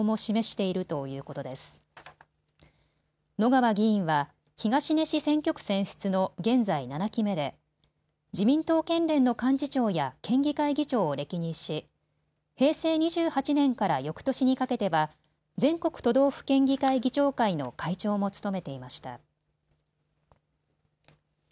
野川議員は東根市選挙区選出の現在７期目で自民党県連の幹事長や県議会議長を歴任し平成２８年からよくとしにかけては全国都道府県議会議長会の会長も務めていました。